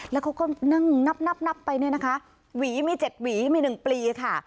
แล้วเขาก็นั่งนับนับไปเนี่ยนะคะหวีมี๗หวีมี๑ปลีค่ะ